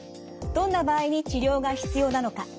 どんな場合に治療が必要なのか。